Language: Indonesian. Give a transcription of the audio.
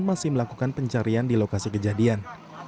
masih melakukan pencarian di lokasi kejadian